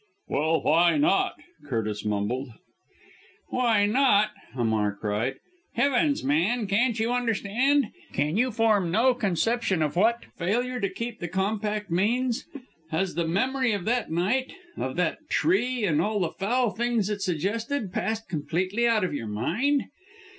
"Well, why not?" Curtis mumbled. "Why not!" Hamar cried. "Heavens, man, can't you understand! Can you form no conception of what failure to keep the compact means? Has the memory of that night of that tree and all the foul things it suggested, passed completely out of your mind?